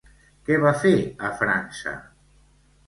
Què va fer a França?